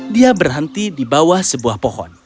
dia berhenti di bawah sebuah pohon